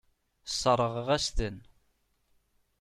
Sseṛɣeɣ-as-ten.